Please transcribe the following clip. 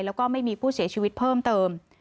แล้วก็ไม่มีผู้เสียชีวิตเพิ่มเติม